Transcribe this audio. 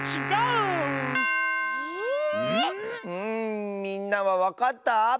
ん？んみんなはわかった？